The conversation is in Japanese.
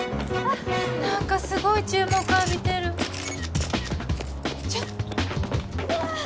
何かすごい注目浴びてるちょっ。